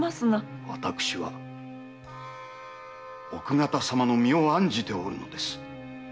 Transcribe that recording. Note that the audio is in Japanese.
私は奥方様の身を案じておるのです。